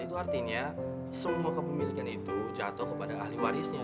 itu artinya semua kepemilikan itu jatuh kepada ahli warisnya